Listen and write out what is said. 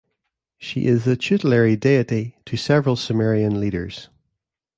She is the tutelary deity to several Sumerian leaders.